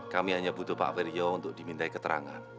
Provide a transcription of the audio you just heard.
kami hanya butuh pak averio untuk diminta keterangan